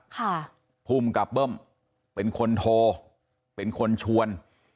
ค่ะภูมิกับเบิ้มเป็นคนโทรเป็นคนชวน